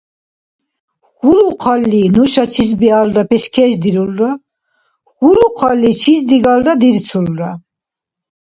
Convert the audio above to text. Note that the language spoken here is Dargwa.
Хьулухъалли, нуша чис-биалра пешкешдирулра, хьулухъалли, чис-дигара дирцулра.